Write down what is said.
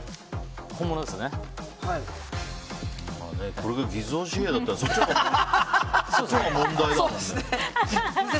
これが偽造紙幣だったらそっちのほうが問題だもんね。